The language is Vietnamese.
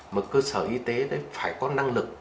mà cơ sở y tế đấy phải có năng lực